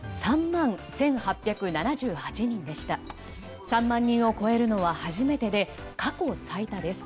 ３万人を超えるのは初めてで過去最多です。